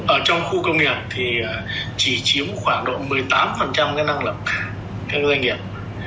ở trong khu công nghiệp thì chỉ chiếm khoảng độ một mươi tám năng lực các doanh nghiệp